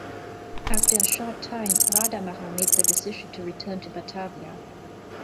After a short time, Radermacher made the decision to return to Batavia.